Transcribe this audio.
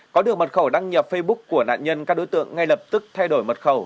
có được mật khẩu đăng nhập facebook của nạn nhân các đối tượng ngay lập tức thay đổi mật khẩu